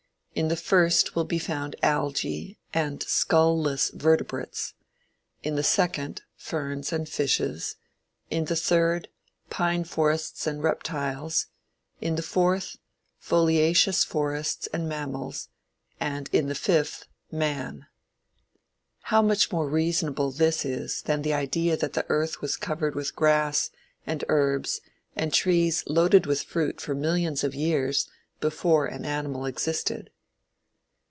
In the First will be found Algae and Skull less Vertebrates, in the Second, Ferns and Fishes, in the Third, Pine Forests and Reptiles, in the Fourth, Foliaceous Forests and Mammals, and in the Fifth, Man." How much more reasonable this is than the idea that the Earth was covered with grass, and herbs, and trees loaded with fruit for millions of years before an animal existed.